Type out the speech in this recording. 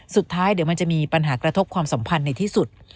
สุดท้ายเดี๋ยวมันจะมีปัญหากระทบความสัมพันธ์ในที่สุด